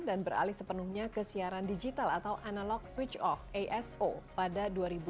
dan beralih sepenuhnya ke siaran digital atau analog switch off aso pada dua ribu dua puluh dua